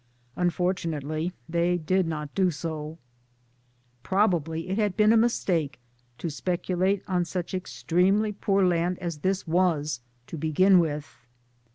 Unfortunately they did not do so. Probably it had *been a mistake to speculate on such extremely poor land as this was to begin with.